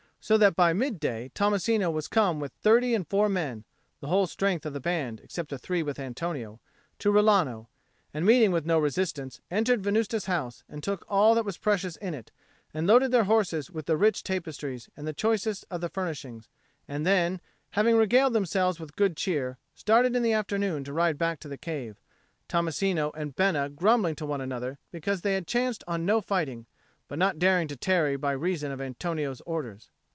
So that by mid day Tommasino was come with thirty and four men (the whole strength of the band except the three with Antonio) to Rilano, and, meeting with no resistance, entered Venusta's house, and took all that was precious in it, and loaded their horses with the rich tapestries and the choicest of the furnishings; and then, having regaled themselves with good cheer, started in the afternoon to ride back to the cave, Tommasino and Bena grumbling to one another because they had chanced on no fighting, but not daring to tarry by reason of Antonio's orders.